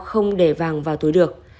không để vàng vào túi được